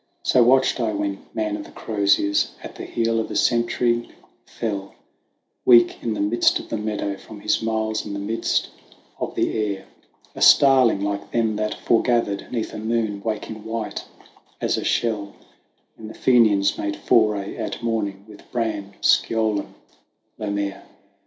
So watched I when, man of the croziers, at the heel of a century fell, Weak, in the midst of the meadow, from his miles in the midst of the air. 134 THE WANDERINGS OF OISIN A starling like them that forgathered 'neath a moon waking white as a shell, When the Fenians made foray at morning with Bran, Sgeolan, Lomair.